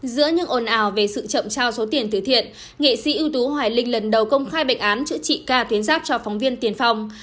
giữa những ồn ào về sự chậm trao số tiền tử thiện nghệ sĩ ưu tú hoài linh lần đầu công khai bệnh án chữa trị ca tuyến giác cho phóng viên tiền phong